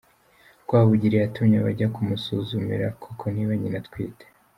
Rwabugili yatumye abajya kumusuzumira koko niba nyina atwite.